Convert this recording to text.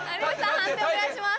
判定お願いします。